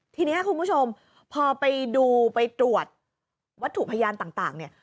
ทีนี้คุณผู้ชมพอไปดูไปตรวจวัตถุพยานต่างเนี่ย